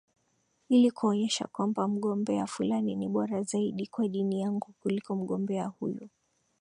ili kuwaonyesha kwamba mgombea fulani ni bora zaidi kwa dini yangu kuliko mgombea huyu